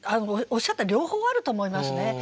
おっしゃった両方あると思いますね。